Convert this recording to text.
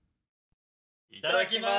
いただきます。